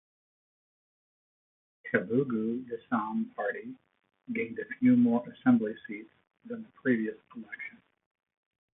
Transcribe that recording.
Telugu Desam Party gained a few more assembly seats than the previous election.